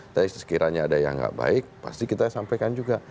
tapi sekiranya ada yang nggak baik pasti kita sampaikan juga